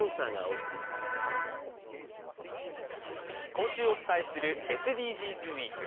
今週お伝えするＳＤＧｓウィーク。